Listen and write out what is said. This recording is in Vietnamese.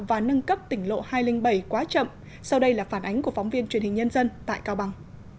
và nâng cấp tỉnh lộ hai trăm linh bảy quá chậm sau đây là phản ánh của phóng viên truyền hình nhân dân tại cao bằng